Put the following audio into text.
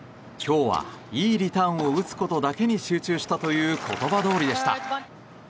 今日は、いいリターンを打つことだけに集中したという言葉どおりでした。